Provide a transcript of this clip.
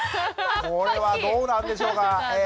これはどうなんでしょうか？